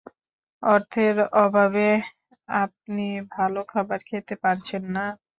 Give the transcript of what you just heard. অর্থের অভাবে আপনি ভালো খাবার খেতে পারছেন না।